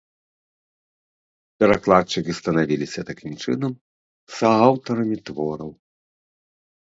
Перакладчыкі станавіліся такім чынам сааўтарамі твораў.